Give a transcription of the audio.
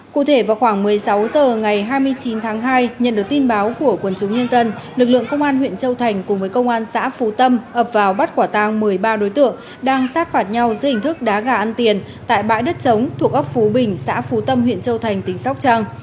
cụ thể vào khoảng một mươi sáu h ngày hai mươi chín tháng hai nhận được tin báo của quân chúng nhân dân lực lượng công an huyện châu thành cùng với công an xã phú tâm ập vào bắt quả tàng một mươi ba đối tượng đang sát phạt nhau dưới hình thức đá gà ăn tiền tại bãi đất chống thuộc ấp phú bình xã phú tâm huyện châu thành tỉnh sóc trăng